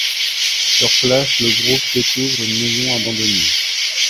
Sur place, le groupe découvre une maison abandonnée.